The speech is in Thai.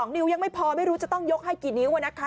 นิ้วยังไม่พอไม่รู้จะต้องยกให้กี่นิ้วนะคะ